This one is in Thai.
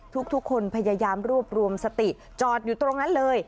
ทุกคนพยายามรวบรวมสติจอดอยู่ตรงนั้นเลย